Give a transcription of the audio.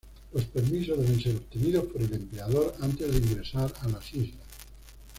Los permisos deben ser obtenidos por el empleador antes de ingresar a las islas.